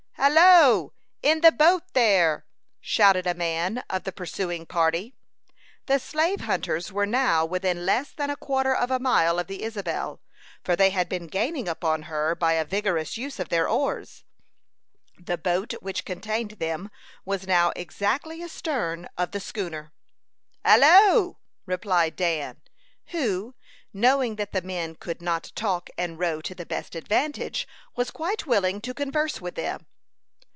"Hallo! In the boat there!" shouted a man of the pursuing party. The slave hunters were now within less than a quarter of a mile of the Isabel, for they had been gaining upon her by a vigorous use of their oars. The boat which contained them was now exactly astern of the schooner. "Hallo!" replied Dan, who, knowing that the men could not talk and row to the best advantage, was quite willing to converse with them.